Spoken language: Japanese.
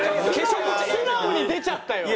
素直に出ちゃったよ。